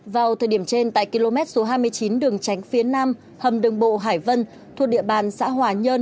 vào thời điểm trên tại km số hai mươi chín đường tránh phía nam hầm đường bộ hải vân thuộc địa bàn xã hòa nhơn